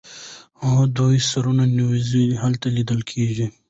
او دوه سرې نېزې هلته لیدلې کېږي.